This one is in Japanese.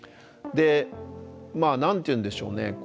まあ何て言うんでしょうね